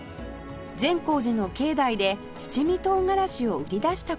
善光寺の境内で七味唐がらしを売り出した事から